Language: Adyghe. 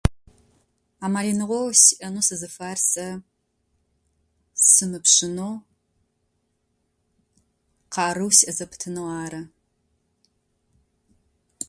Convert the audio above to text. Амалыныгъоу сиӏэнэу сызыфаер сэ сымыпшъынэу, къарыу сиӏэ зэпытынэу ары.